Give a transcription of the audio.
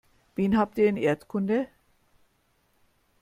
Wen habt ihr in Erdkunde?